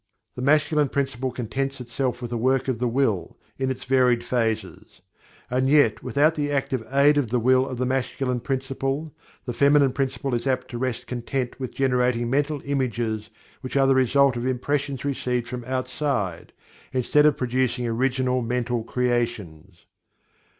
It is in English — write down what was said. The Masculine Principle contents itself with the work of the "Will" in its varied phases. And yet, without the active aid of the Will of the Masculine Principle, the Feminine Principle is apt to rest content with generating mental images which are the result of impressions received from outside, instead of producing original mental creations.